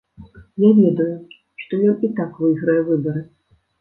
Я ведаю, што ён і так выйграе выбары!